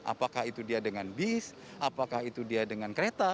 apakah itu dia dengan bis apakah itu dia dengan kereta